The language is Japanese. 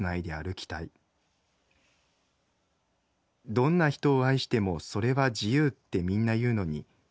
どんな人を愛してもそれは自由ってみんな言うのに。